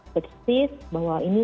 persis bahwa ini